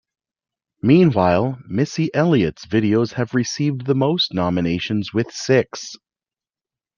Meanwhile, Missy Elliott's videos have received the most nominations with six.